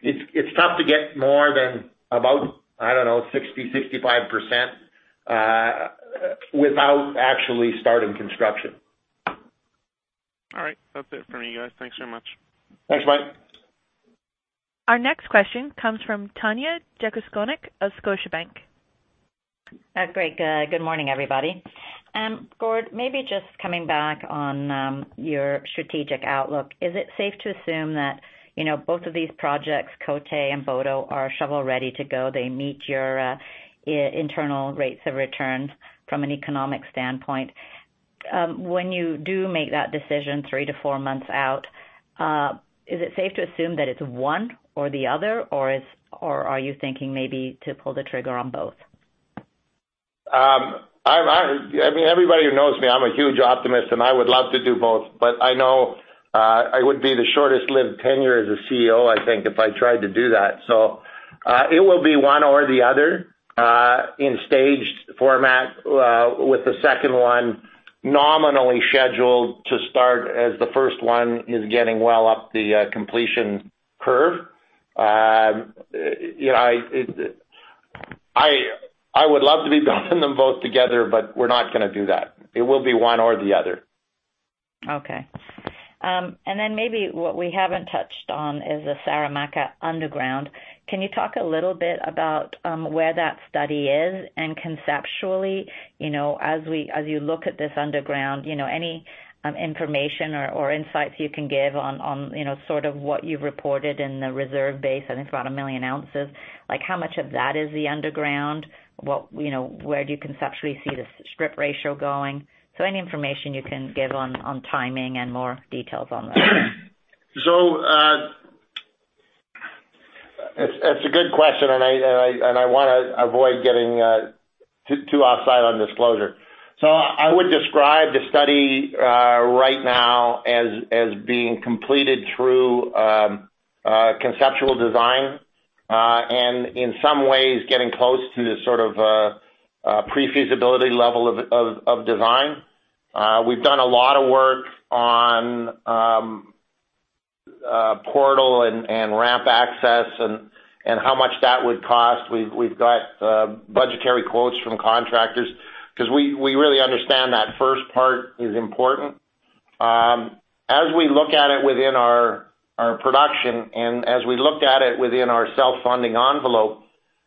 It's tough to get more than about, I don't know, 60%-65% without actually starting construction. All right. That's it for me, guys. Thanks very much. Thanks, Mike. Our next question comes from Tanya Jakusconek of Scotiabank. Great. Good morning, everybody. Gord, maybe just coming back on your strategic outlook, is it safe to assume that both of these projects, Côté and Boto, are shovel-ready to go, they meet your internal rates of returns from an economic standpoint? When you do make that decision three to four months out, is it safe to assume that it's one or the other, or are you thinking maybe to pull the trigger on both? Everybody who knows me, I'm a huge optimist. I would love to do both. I know I would be the shortest-lived tenure as a CEO, I think, if I tried to do that. It will be one or the other in staged format, with the second one nominally scheduled to start as the first one is getting well up the completion curve. I would love to be building them both together. We're not going to do that. It will be one or the other. Okay. Maybe what we haven't touched on is the Saramacca underground. Can you talk a little bit about where that study is? Conceptually, as you look at this underground, any information or insights you can give on sort of what you've reported in the reserve base, I think it's about 1 million oz. How much of that is the underground? Where do you conceptually see the strip ratio going? Any information you can give on timing and more details on that. It's a good question, and I want to avoid getting too offside on disclosure. I would describe the study right now as being completed through conceptual design, and in some ways, getting close to the sort of pre-feasibility level of design. We've done a lot of work on portal and ramp access and how much that would cost. We've got budgetary quotes from contractors because we really understand that first part is important. As we look at it within our production and as we looked at it within our self-funding envelope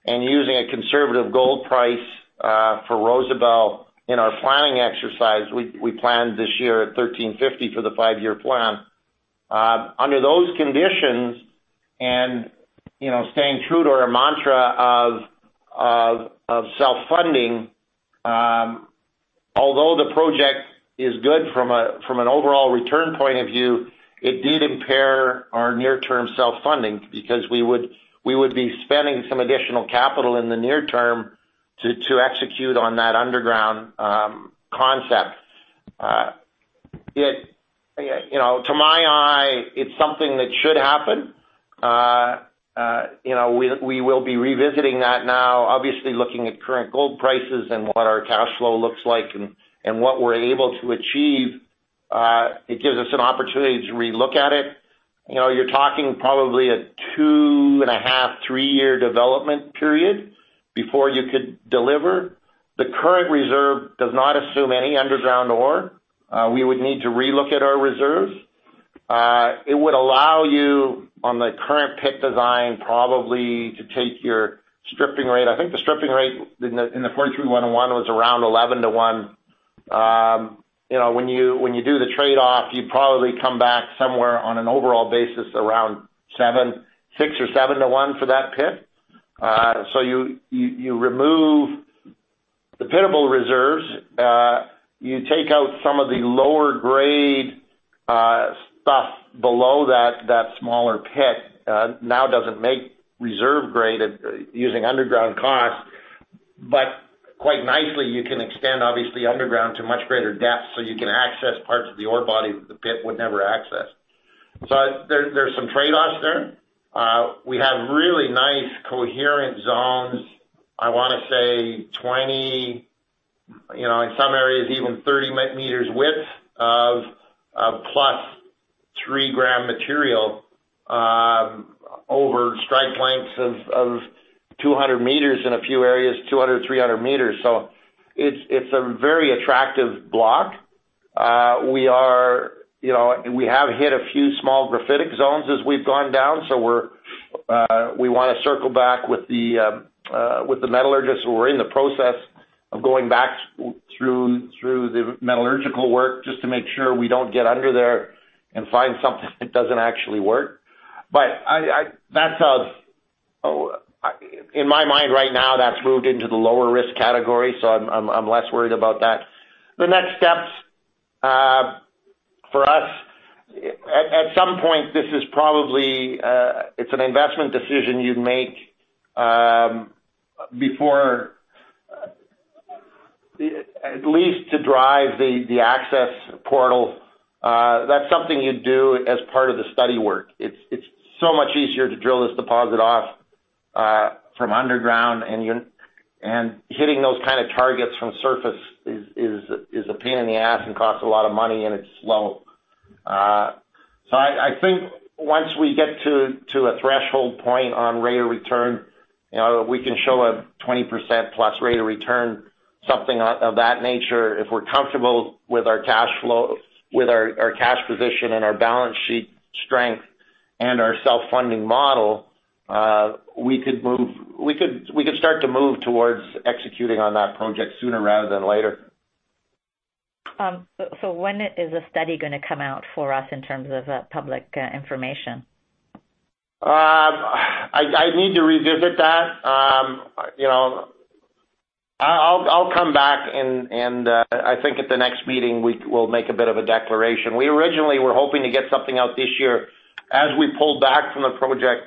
and using a conservative gold price for Rosebel in our planning exercise, we planned this year at $1,350 for the five-year plan. Under those conditions and staying true to our mantra of self-funding, although the project is good from an overall return point of view, it did impair our near-term self-funding because we would be spending some additional capital in the near term to execute on that underground concept. To my eye, it's something that should happen. We will be revisiting that now, obviously looking at current gold prices and what our cash flow looks like and what we're able to achieve. It gives us an opportunity to re-look at it. You're talking probably a two and a half, three-year development period before you could deliver. The current reserve does not assume any underground ore. We would need to re-look at our reserves. It would allow you, on the current pit design, probably to take your stripping rate. I think the stripping rate in the 43-101 was around 11:1. When you do the trade-off, you probably come back somewhere on an overall basis around six or seven to one for that pit. You remove the pinnable reserves. You take out some of the lower grade stuff below that smaller pit. It doesn't make reserve grade using underground costs, but quite nicely, you can extend, obviously, underground to much greater depth, so you can access parts of the ore body that the pit would never access. There's some trade-offs there. We have really nice coherent zones, I want to say 20, in some areas even 30 m width of +3-g material over strike lengths of 200 m, in a few areas, 200 m, 300 m. It's a very attractive block. We have hit a few small graphitic zones as we've gone down. We want to circle back with the metallurgists, who are in the process of going back through the metallurgical work just to make sure we don't get under there and find something that doesn't actually work. In my mind right now, that's moved into the lower risk category, so I'm less worried about that. The next steps for us, at some point, it's an investment decision you'd make at least to drive the access portal. That's something you'd do as part of the study work. It's so much easier to drill this deposit off from underground, and hitting those kind of targets from surface is a pain in the ass and costs a lot of money and it's slow. I think once we get to a threshold point on rate of return, we can show a 20%+ rate of return, something of that nature. If we're comfortable with our cash position and our balance sheet strength and our self-funding model, we could start to move towards executing on that project sooner rather than later. When is a study going to come out for us in terms of public information? I'd need to revisit that. I'll come back and I think at the next meeting, we'll make a bit of a declaration. We originally were hoping to get something out this year. As we pulled back from the project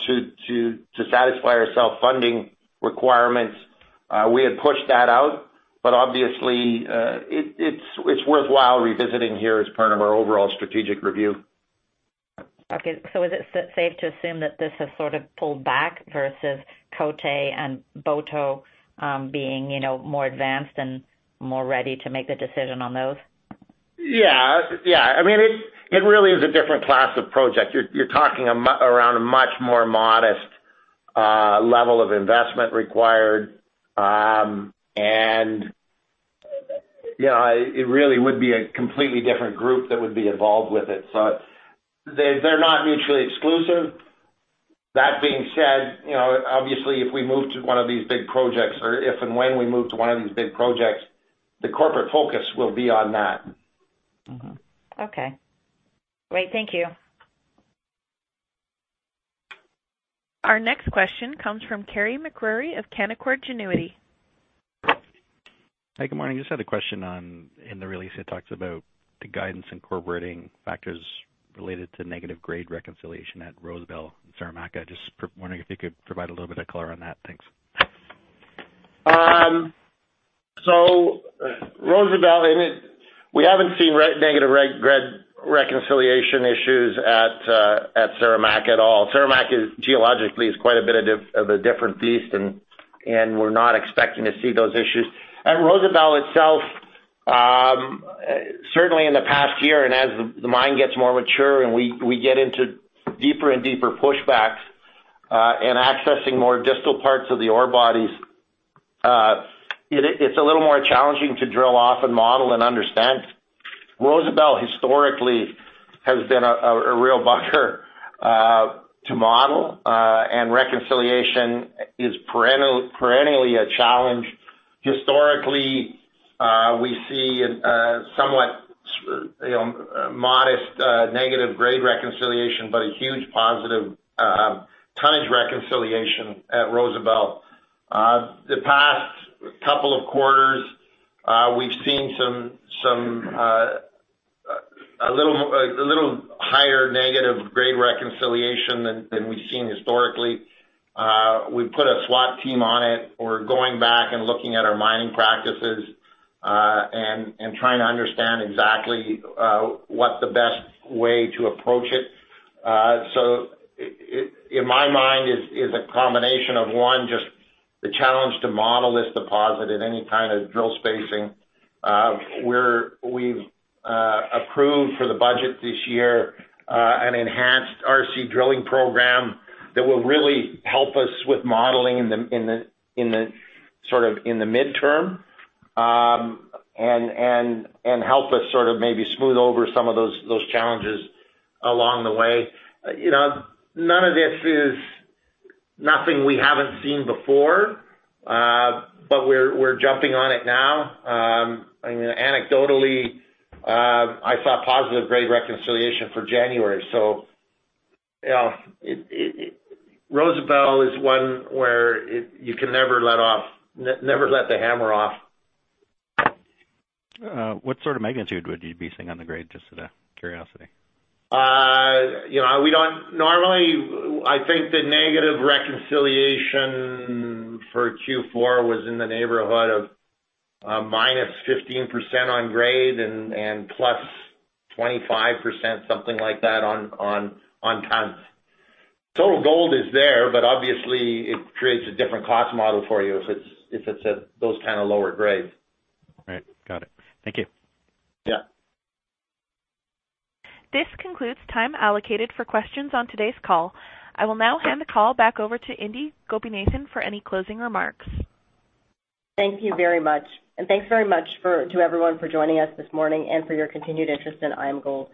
to satisfy our self-funding requirements, we had pushed that out. Obviously, it's worthwhile revisiting here as part of our overall strategic review. Okay. Is it safe to assume that this has sort of pulled back versus Côté and Boto being more advanced and more ready to make the decision on those? Yeah. It really is a different class of project. You're talking around a much more modest level of investment required. It really would be a completely different group that would be involved with it. They're not mutually exclusive. That being said, obviously, if we move to one of these big projects or if and when we move to one of these big projects, the corporate focus will be on that. Okay. Great. Thank you. Our next question comes from Carey MacRury of Canaccord Genuity. Hi, good morning. Just had a question on, in the release, it talks about the guidance incorporating factors related to negative grade reconciliation at Rosebel and Saramacca. Just wondering if you could provide a little bit of color on that. Thanks. Rosebel, we haven't seen negative grade reconciliation issues at Saramacca at all. Saramacca geologically is quite a bit of a different beast, and we're not expecting to see those issues. At Rosebel itself, certainly in the past year and as the mine gets more mature and we get into deeper and deeper pushbacks, and accessing more distal parts of the ore bodies, it's a little more challenging to drill off and model and understand. Rosebel historically has been a real bugger to model, and reconciliation is perennially a challenge. Historically, we see a somewhat modest negative grade reconciliation, but a huge positive tonnage reconciliation at Rosebel. The past couple of quarters, we've seen a little higher negative grade reconciliation than we've seen historically. We put a SWAT team on it. We're going back and looking at our mining practices, and trying to understand exactly what the best way to approach it. In my mind, it's a combination of, one, just the challenge to model this deposit at any kind of drill spacing. We've approved for the budget this year an enhanced RC drilling program that will really help us with modeling in the midterm, and help us maybe smooth over some of those challenges along the way. None of this is nothing we haven't seen before. We're jumping on it now. Anecdotally, I saw positive grade reconciliation for January, Rosebel is one where you can never let the hammer off. What sort of magnitude would you be seeing on the grade, just out of curiosity? Normally, I think the negative reconciliation for Q4 was in the neighborhood of -15% on grade and +25%, something like that, on tonnes. Obviously it creates a different cost model for you if it's at those kind of lower grades. Right. Got it. Thank you. Yeah. This concludes time allocated for questions on today's call. I will now hand the call back over to Indi Gopinathan for any closing remarks. Thank you very much. Thanks very much to everyone for joining us this morning and for your continued interest in IAMGOLD.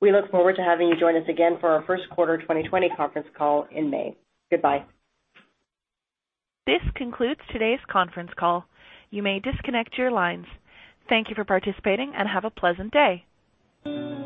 We look forward to having you join us again for our first quarter 2020 conference call in May. Goodbye. This concludes today's conference call. You may disconnect your lines. Thank you for participating, and have a pleasant day.